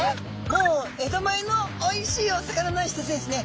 もうえどまえのおいしいお魚の一つですね。